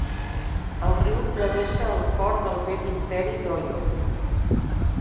El riu travessa el cor del vell Imperi d'Oyo.